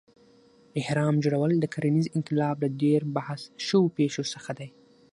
اهرام جوړول د کرنیز انقلاب له ډېر بحث شوو پېښو څخه دی.